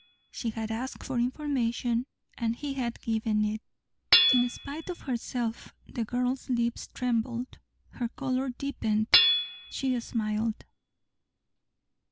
She had asked for information, and he had given it. In spite of herself the girl's lips trembled. Her colour deepened. She smiled.